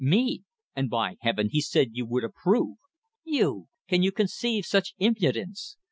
Me! And, by heaven he said you would approve. You! Can you conceive such impudence?